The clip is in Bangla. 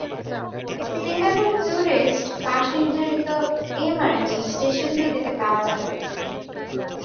সিঙ্গাপুর ট্যুরিস্ট পাস নির্ধারিত এমআরটি স্টেশনগুলিতে পাওয়া যাবে।